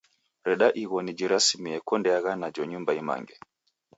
Reda igho nijirasimie kondeagha najo nyumba imange!